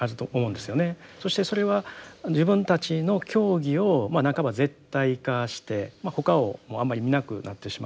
そしてそれは自分たちの教義を半ば絶対化して他をもうあんまり見なくなってしまう。